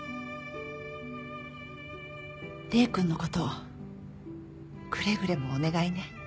礼くんの事くれぐれもお願いね。